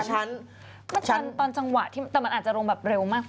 มันตอนจังหวะที่แต่มันอาจจะลงแบบเร็วมาก